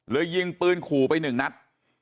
เลยซื้อปืนขู่ไป๑นัส